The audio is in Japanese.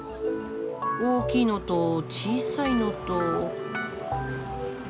大きいのと小さいのと。